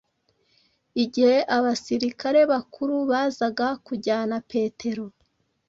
Igihe abasirikare bakuru bazaga kujyana Petero,